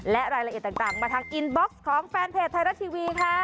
และรายละเอียดต่างมาทางอินบ็อกซ์ของแฟนเพจไทยรัฐทีวีค่ะ